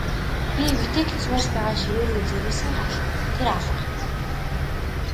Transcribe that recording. Би Витекийн сууж байгаа ширээ рүү зэрвэсхэн хартал тэр алга.